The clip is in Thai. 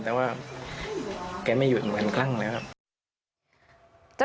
แต่ว่าแกไม่หยุดเหมือนกันคลั่งแล้วครับ